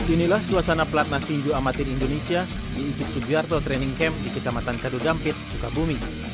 inilah suasana pelatnas tinju amatir indonesia di ujung sugiarto training camp di kecamatan kadudampit sukabumi